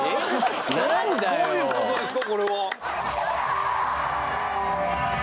何だよどういうことですか？